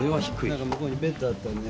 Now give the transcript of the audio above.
なんか向こうにベッドあったね？